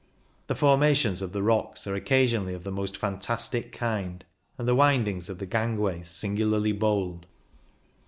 The formations of the rocks are occasionally of the most fantastic kind, and the windings of the gangway singularly bold.